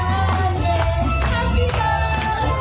หอมตาไม่ถูกนะล้ำล้ำไม่ถูก